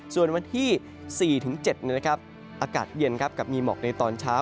ส่วนวันที่๔๗อากาศเย็นกับมีหมอกในตอนเช้า